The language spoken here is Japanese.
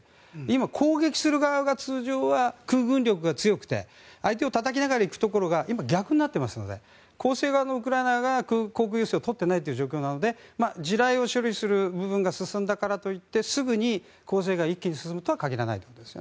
攻撃する側が通常は空軍力が強くて相手をたたきながら行くところが今、逆になっていますので攻勢側のウクライナが航空優勢を取っていないということなので地雷を処理する部分が進んだからといってすぐに攻勢が一気に進むとは限らないです。